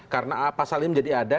karena pasal ini menjadi ada